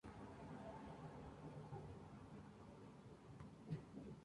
Unas de las reservas naturales más ricas del país.